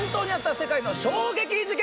世界の衝撃事件